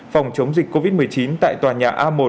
phòng chống dịch covid một mươi chín tại tòa nhà a một